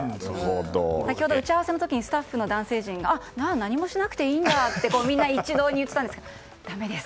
先ほど打ち合わせの時スタッフの男性陣が何もしなくていいんだとみんな一堂に言ってたんですがだめです。